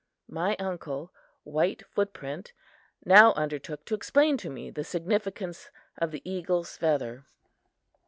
My uncle, White Foot print, now undertook to explain to me the significance of the eagle's feather.